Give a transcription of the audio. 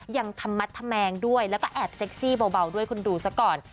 ยังทำมัดธแมงด้วยแล้วก็แอบเซ็กซี่เบาด้วยคุณดูซะก่อน